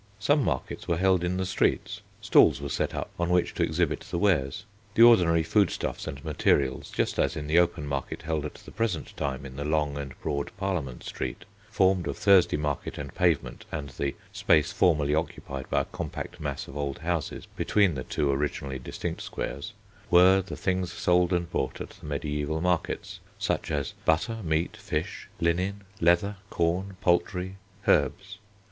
Some markets were held in the streets. Stalls were set up on which to exhibit the wares. The ordinary foodstuffs and materials, just as in the open market held at the present time in the long and broad Parliament Street, formed of Thursday Market and Pavement and the space formerly occupied by a compact mass of old houses between the two originally distinct squares, were the things sold and bought at the mediæval markets: such as butter, meat, fish, linen, leather, corn, poultry, herbs.